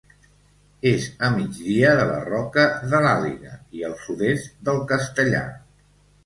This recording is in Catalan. És a migdia de la Roca de l'Àliga i al sud-est del Castellar.